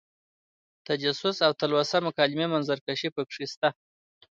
تجسس او تلوسه مکالمې منظر کشۍ پکې شته.